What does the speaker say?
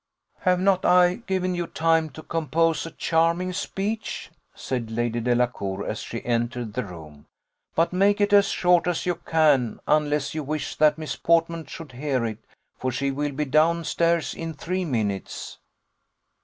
"Have not I given you time to compose a charming speech?" said Lady Delacour as she entered the room; "but make it as short as you can, unless you wish that Miss Portman should hear it, for she will be down stairs in three minutes."